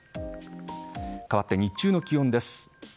変わって日中の気温です。